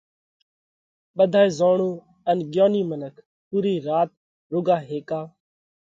ٻڌائي زوڻُو ان ڳيونِي منک پُورِي رات رُوڳا هيڪا